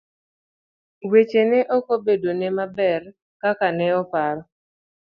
Weche ne okobedo ne maber kaka ne oparo.